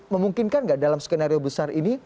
memungkinkan nggak dalam skenario besar ini